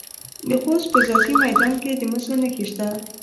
د خوست په ځاځي میدان کې د مسو نښې شته.